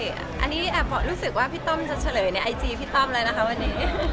อันนี้แอบรู้สึกว่าพี่ต้อมจะเฉลยในไอจีพี่ต้อมแล้วนะคะวันนี้